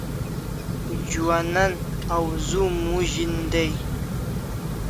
Juanan awzu mozin day